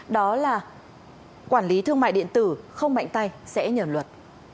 đó là quản lý thương mại điện tử không mạnh tay sẽ nhờ luật